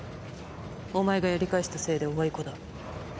お前がやり返したせいでおあいこだ。